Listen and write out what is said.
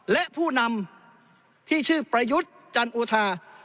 และผู้นำที่ชื่อประยุทธ์จันโอชา